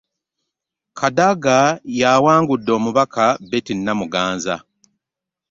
Kadaga ye awangudde omubaka Betty Namuganza.